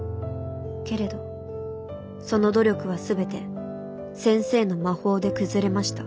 けれどその努力はすべて先生の『魔法』で崩れました。